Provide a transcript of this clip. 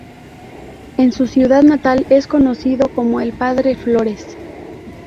En su ciudad natal es conocido como el Padre Flores.